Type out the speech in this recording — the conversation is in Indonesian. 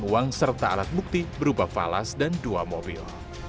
uang serta alat bukti berupa falas dan dua mobil